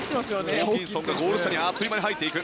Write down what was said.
ホーキンソンがゴール下にあっという間に入っていく。